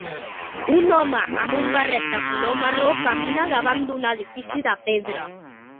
Un home amb un barret de color marró camina davant d"un edifici de pedra.